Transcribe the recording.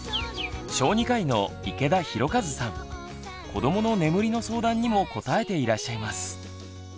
子どもの眠りの相談にも答えていらっしゃいます。